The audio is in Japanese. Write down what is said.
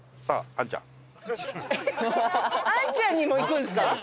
アンちゃんにもいくんですか？